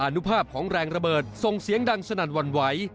อนุภาพของแรงระเบิดส่งเสียงดังสนั่นหวั่นไหว